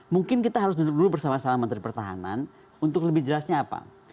mungkin kita harus duduk dulu bersama sama menteri pertahanan untuk lebih jelasnya apa